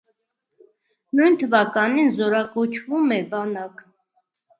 Նույն թվականին զորակոչվում է բանակ։